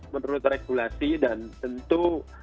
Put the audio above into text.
menurut regulasi dan tentu